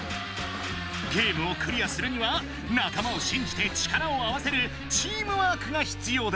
ゲームをクリアするには仲間を信じて力を合わせるチームワークが必要だ。